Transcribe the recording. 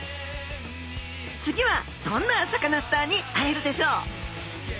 次はどんなサカナスターに会えるでしょう？